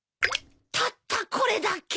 たったこれだけ？